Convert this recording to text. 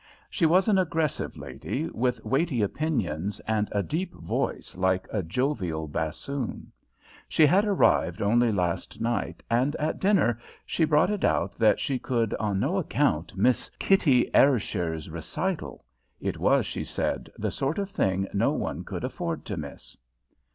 She was an aggressive lady, with weighty opinions, and a deep voice like a jovial bassoon. She had arrived only last night, and at dinner she brought it out that she could on no account miss Kitty Ayrshire's recital; it was, she said, the sort of thing no one could afford to miss.